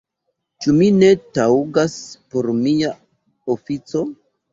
Ĉu mi ne taŭgas por mia ofico?